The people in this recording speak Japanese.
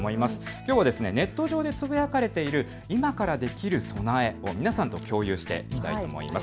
きょうはネット上でつぶやかれている今からできる備えを皆さんと共有していきたいと思います。